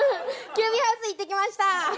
ＱＢハウス行ってきました。